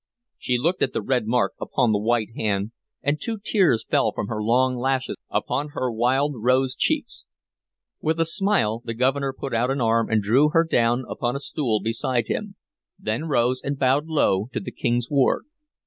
She looked at the red mark upon the white hand, and two tears fell from her long lashes upon her wild rose cheeks. With a smile the Governor put out an arm and drew her down upon a stool beside him, then rose and bowed low to the King's ward.